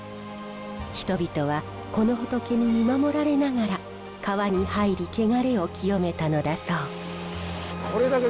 人々はこの仏に見守られながら川に入り穢れを清めたのだそう。